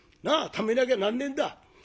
ためなきゃなんねんだ。